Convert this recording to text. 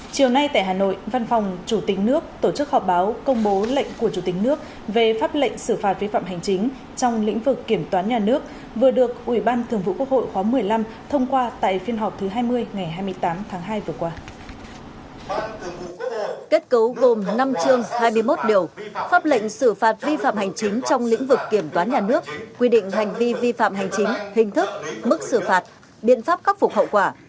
chiều nay tại hà nội văn phòng chủ tính nước tổ chức họp báo công bố lệnh của chủ tính nước về pháp lệnh xử phạt vi phạm hành chính trong lĩnh vực kiểm toán nhà nước vừa được ubthqh một mươi năm thông qua tại phiên họp thứ hai mươi ngày hai mươi tám tháng hai vừa qua